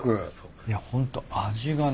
いやホント味がね